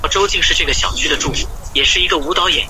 熊猫不交配不是人类的错。